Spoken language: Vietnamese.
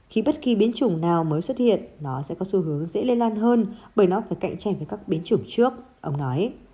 khi bất kỳ biến chủng nào mới xuất hiện nó sẽ có xu hướng dễ lây lan hơn bởi nó phải cạnh tranh với các biến chủng trước ông nói